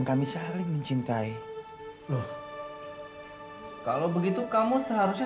sampai jumpa di video selanjutnya